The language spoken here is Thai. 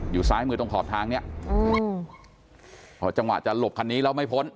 ซ้ายมือตรงขอบทางเนี้ยอืมพอจังหวะจะหลบคันนี้แล้วไม่พ้น